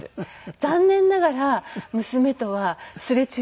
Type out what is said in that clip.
残念ながら娘とはすれ違いでね。